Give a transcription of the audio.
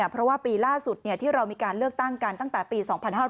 เพราะว่าปีล่าสุดที่เรามีการเลือกตั้งกันตั้งแต่ปี๒๕๕๙